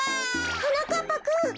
はなかっぱくん。